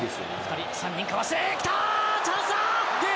２人３人かわして。